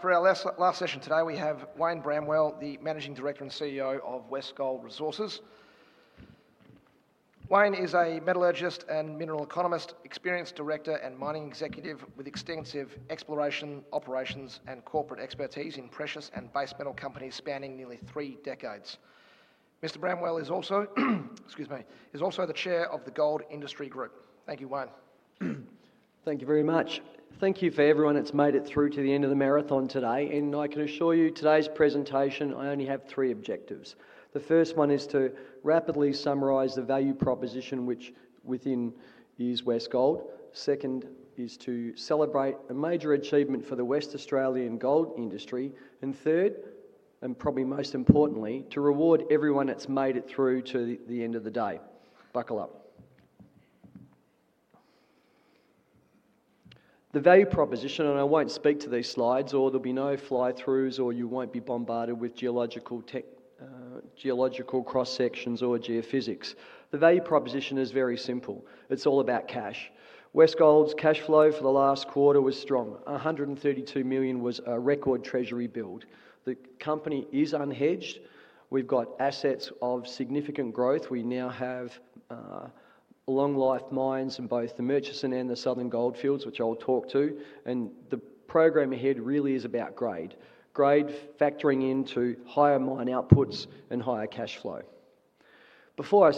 For our last session today, we have Wayne Bramwell, the Managing Director and CEO of Westgold Resources. Wayne is a metallurgist and mineral economist, experienced Director and mining executive with extensive exploration operations and corporate expertise in precious and base metal companies spanning nearly three decades. Mr. Bramwell is also the Chair of the Gold Industry Group. Thank you, Wayne. Thank you very much. Thank you for everyone that's made it through to the end of the marathon today. I can assure you, today's presentation, I only have three objectives. The first one is to rapidly summarize the value proposition within this Westgold. The second is to celebrate a major achievement for the Western Australian gold industry. The third, and probably most importantly, to reward everyone that's made it through to the end of the day. Buckle up. The value proposition, and I won't speak to these slides, there'll be no fly-throughs, you won't be bombarded with geological cross-sections or geophysics. The value proposition is very simple. It's all about cash. Westgold's cash flow for the last quarter was strong. $132 million was a record treasury bill. The company is unhedged. We've got assets of significant growth. We now have long-life mines in both the Murchison and the Southern Goldfields, which I'll talk to. The program ahead really is about grade. Grade factoring into higher mine outputs and higher cash flow. Before I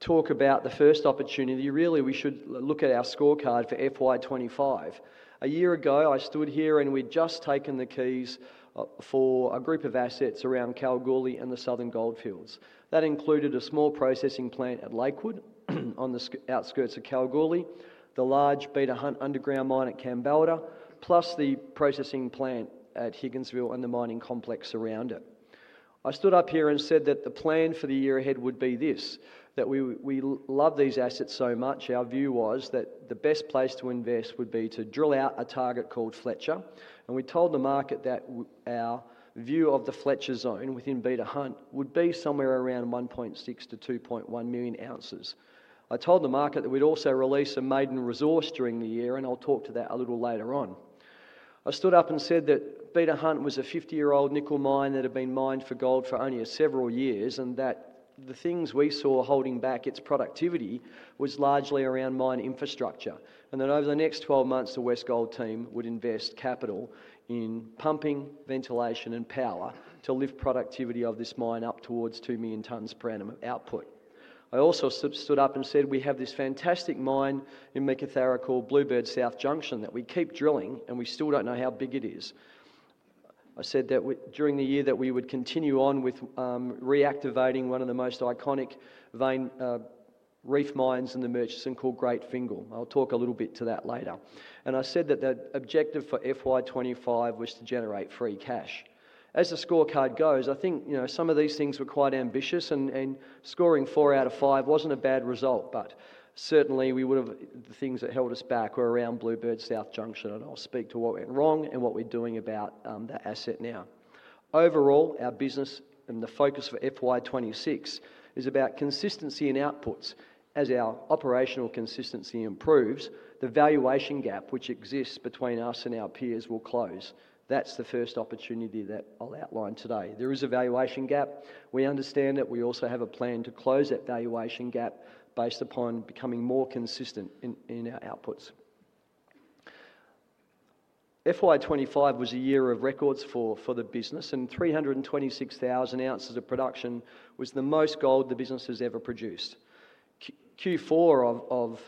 talk about the first opportunity, we should look at our scorecard for FY2025. A year ago, I stood here and we'd just taken the keys for a group of assets around Kalgoorlie and the Southern Goldfields. That included a small processing plant at Lakewood on the outskirts of Kalgoorlie, the large Beta Hunt underground mine at Kambalda, plus the processing plant at Higginsville and the mining complex around it. I stood up here and said that the plan for the year ahead would be this, that we love these assets so much, our view was that the best place to invest would be to drill out a target called Fletcher. We told the market that our view of the Fletcher zone within Beta Hunt would be somewhere around 1.6 to 2.1 million ounces. I told the market that we'd also release a maiden resource during the year, and I'll talk to that a little later on. I stood up and said that Beta Hunt was a 50-year-old nickel mine that had been mined for gold for only several years, and that the things we saw holding back its productivity were largely around mine infrastructure, and that over the next 12 months, the Westgold team would invest capital in pumping, ventilation, and power to lift productivity of this mine up towards 2 million tons per annum output. I also stood up and said we have this fantastic mine in Meekatharra called Bluebird-South Junction that we keep drilling, and we still don't know how big it is. I said that during the year that we would continue on with reactivating one of the most iconic reef mines in the Murchison called Great Fingall. I'll talk a little bit to that later. I said that the objective for FY25 was to generate free cash. As the scorecard goes, I think some of these things were quite ambitious, and scoring four out of five wasn't a bad result, but certainly the things that held us back were around Bluebird-South Junction. I'll speak to what went wrong and what we're doing about that asset now. Overall, our business and the focus for FY26 is about consistency in outputs. As our operational consistency improves, the valuation gap which exists between us and our peers will close. That's the first opportunity that I'll outline today. There is a valuation gap. We understand that we also have a plan to close that valuation gap based upon becoming more consistent in our outputs. FY25 was a year of records for the business, and 326,000 ounces of production was the most gold the business has ever produced. Q4 of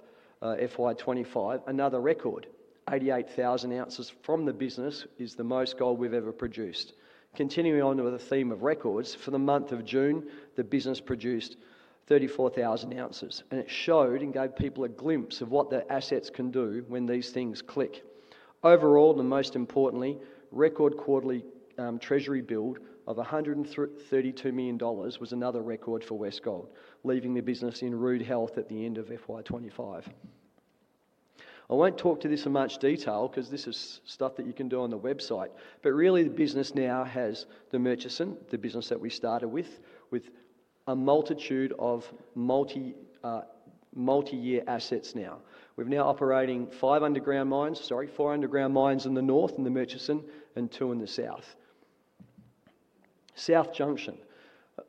FY25, another record, 88,000 ounces from the business is the most gold we've ever produced. Continuing on with the theme of records, for the month of June, the business produced 34,000 ounces, and it showed and gave people a glimpse of what the assets can do when these things click. Overall, and most importantly, record quarterly treasury bill of $132 million was another record for Westgold, leaving the business in rude health at the end of FY25. I won't talk to this in much detail because this is stuff that you can do on the website, but really, the business now has the Murchison, the business that we started with, with a multitude of multi-year assets now. We're now operating five underground mines, sorry, four underground mines in the north in the Murchison and two in the South. South Junction,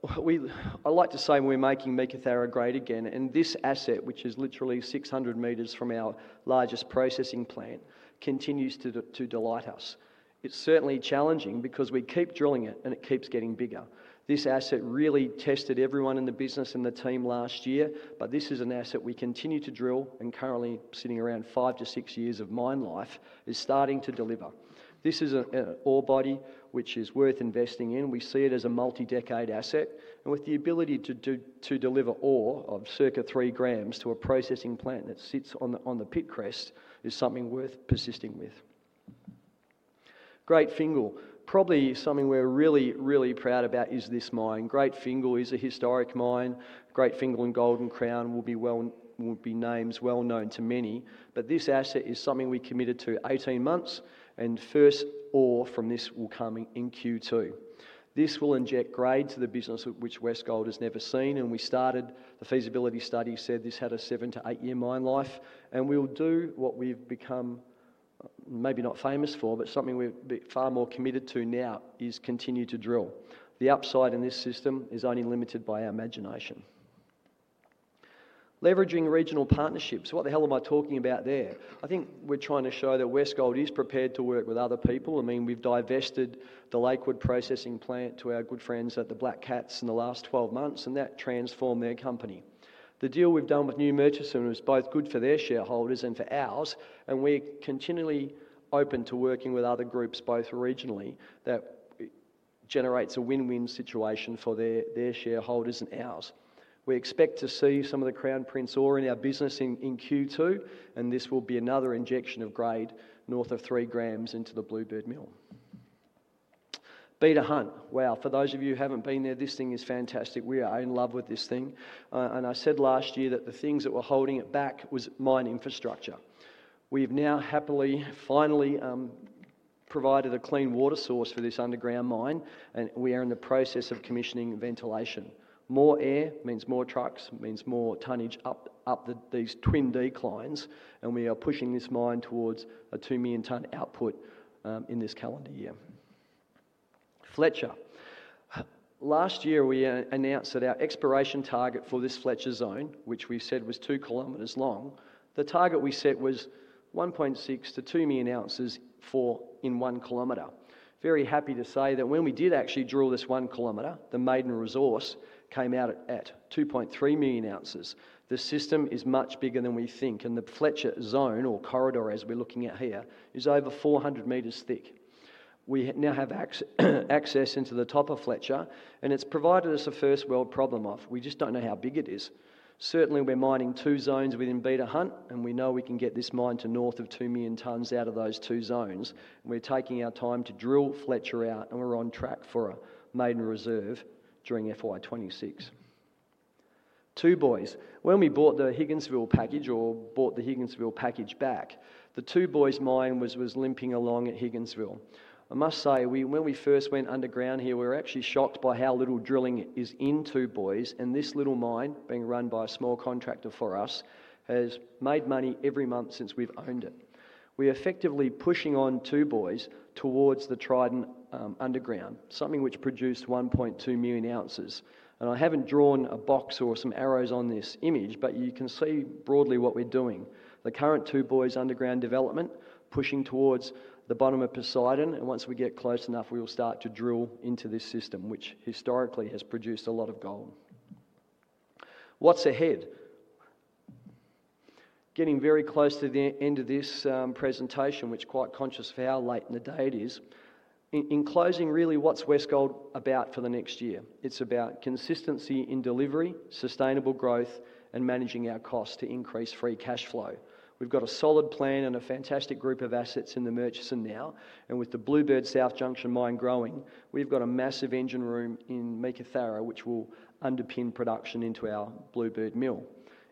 I like to say we're making Meekatharra grade again, and this asset, which is literally 600 meters from our largest processing plant, continues to delight us. It's certainly challenging because we keep drilling it and it keeps getting bigger. This asset really tested everyone in the business and the team last year, but this is an asset we continue to drill, and currently sitting around five to six years of mine life is starting to deliver. This is an ore body which is worth investing in. We see it as a multi-decade asset, and with the ability to deliver ore of circa three grams to a processing plant that sits on the pit crest is something worth persisting with. Great Fingall, probably something we're really, really proud about is this mine. Great Fingall is a historic mine. Great Fingall and Golden Crown will be names well known to many, but this asset is something we committed to 18 months, and first ore from this will come in Q2. This will inject grade to the business which Westgold has never seen, and we started a feasibility study said this had a seven to eight-year mine life, and we'll do what we've become maybe not famous for, but something we're far more committed to now is continue to drill. The upside in this system is only limited by our imagination. Leveraging regional partnerships, what the hell am I talking about there? I think we're trying to show that Westgold is prepared to work with other people. I mean, we've divested the Lakewood processing plant to our good friends at Black Cat Syndicate in the last 12 months, and that transformed their company. The deal we've done with New Murchison was both good for their shareholders and for ours, and we're continually open to working with other groups, both regionally, that generates a win-win situation for their shareholders and ours. We expect to see some of the Crown Prince ore in our business in Q2, and this will be another injection of grade north of three grams into the Bluebird mill. Beta Hunt, wow, for those of you who haven't been there, this thing is fantastic. We are in love with this thing. I said last year that the things that were holding it back were mine infrastructure. We've now happily finally provided a clean water source for this underground mine, and we are in the process of commissioning ventilation. More air means more trucks, means more tonnage up these twin declines, and we are pushing this mine towards a 2 million tonne output in this calendar year. Fletcher, last year we announced that our exploration target for this Fletcher zone, which we said was 2 km long, the target we set was 1.6-2 million ounces for in 1 km. Very happy to say that when we did actually drill this 1 km, the maiden resource came out at 2.3 million ounces. The system is much bigger than we think, and the Fletcher zone or corridor as we're looking at here is over 400 meters thick. We now have access into the top of Fletcher, and it's provided us a first-world problem of we just don't know how big it is. Certainly, we're mining two zones within Beta Hunt, and we know we can get this mine to North of 2 million tonnes out of those two zones. We're taking our time to drill Fletcher out, and we're on track for a maiden reserve during FY26. Two Boys, when we bought the Higginsville package or bought the Higginsville package back, the Two Boys mine was limping along at Higginsville. I must say, when we first went underground here, we were actually shocked by how little drilling is in Two Boys, and this little mine being run by a small contractor for us has made money every month since we've owned it. We're effectively pushing on Two Boys towards the Trident underground, something which produced 1.2 million ounces. I haven't drawn a box or some arrows on this image, but you can see broadly what we're doing. The current Two Boys underground development pushing towards the bottom of Poseidon, and once we get close enough, we'll start to drill into this system, which historically has produced a lot of gold. What's ahead? Getting very close to the end of this presentation, which is quite conscious of how late in the day it is. In closing, really, what's Westgold about for the next year? It's about consistency in delivery, sustainable growth, and managing our costs to increase free cash flow. We've got a solid plan and a fantastic group of assets in the Murchison now, and with the Bluebird-South Junction mine growing, we've got a massive engine room in Meekatharra, which will underpin production into our Bluebird mill.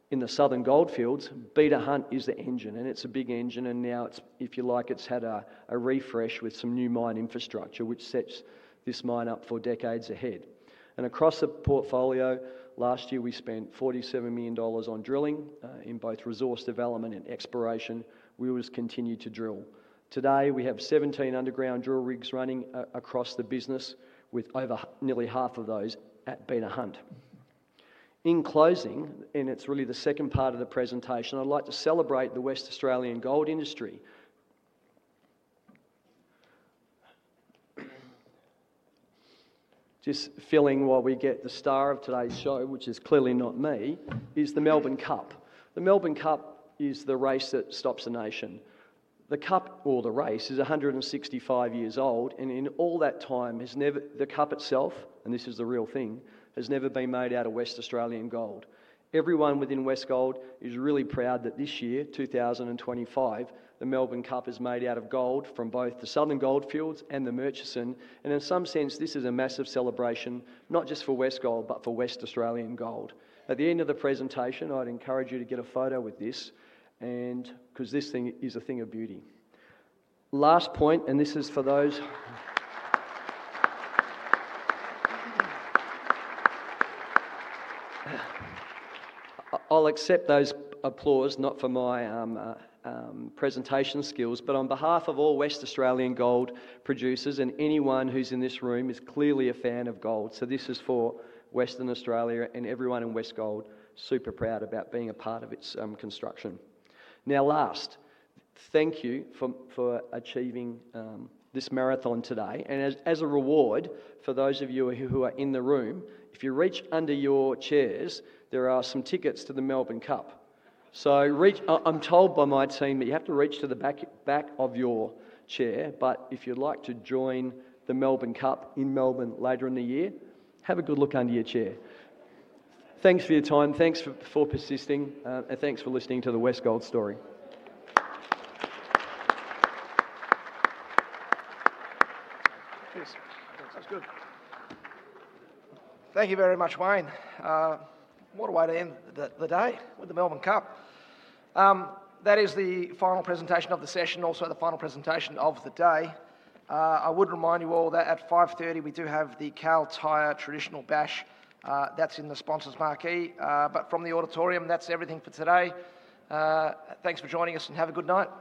In the Southern Goldfields, Beta Hunt is the engine, and it's a big engine, and now, if you like, it's had a refresh with some new mine infrastructure, which sets this mine up for decades ahead. Across the portfolio, last year we spent $47 million on drilling in both resource development and exploration. We will just continue to drill. Today, we have 17 underground drill rigs running across the business, with over nearly half of those at Beta Hunt. In closing, and it's really the second part of the presentation, I'd like to celebrate the West Australian gold industry. Just filling while we get the star of today's show, which is clearly not me, is the Melbourne Cup. The Melbourne Cup is the race that stops a nation. The cup or the race is 165 years old, and in all that time, the cup itself, and this is the real thing, has never been made out of West Australian gold. Everyone within Westgold is really proud that this year, 2025, the Melbourne Cup is made out of gold from both the Southern Goldfields and the Murchison, and in some sense, this is a massive celebration, not just for Westgold, but for West Australian gold. At the end of the presentation, I'd encourage you to get a photo with this, because this thing is a thing of beauty. Last point, and this is for those... I'll accept those applause, not for my presentation skills, but on behalf of all West Australian gold producers and anyone who's in this room is clearly a fan of gold. This is for Western Australia and everyone in Westgold super proud about being a part of its construction. Now, last, thank you for achieving this marathon today. As a reward for those of you who are in the room, if you reach under your chairs, there are some tickets to the Melbourne Cup. I'm told by my team that you have to reach to the back of your chair, but if you'd like to join the Melbourne Cup in Melbourne later in the year, have a good look under your chair. Thanks for your time. Thanks for persisting, and thanks for listening to the Westgold story. Thank you very much, Wayne. What a way to end the day with the 2025 Melbourne Cup. That is the final presentation of the session, also the final presentation of the day. I would remind you all that at 5:30 P.M., we do have the Kal Tire traditional bash that's in the sponsor's marquee. From the auditorium, that's everything for today. Thanks for joining us, and have a good night.